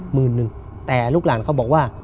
หมื่นหนึ่งแต่ลูกหลานเขาบอกว่า